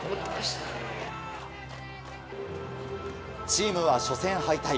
チームは初戦敗退。